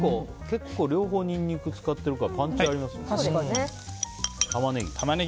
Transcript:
結構、両方ニンニクを使ってるからパンチありますね。